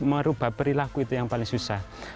merubah perilaku itu yang paling susah